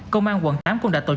công an quận tám cũng đã tội truyền